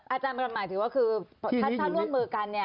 อาจารย์หมายถือว่าคือถ้าร่วมมือกัน